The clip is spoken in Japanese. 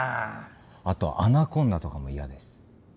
あとアナコンダとかも嫌です。